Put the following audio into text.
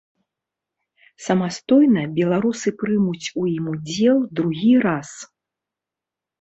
Самастойна беларусы прымуць у ім удзел другі раз.